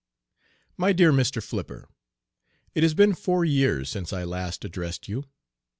MY DEAR MR. FLIPPER: It has been four years since I last addressed you.